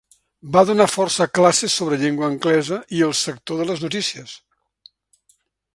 Va donar força classes sobre llengua anglesa i el sector de les notícies.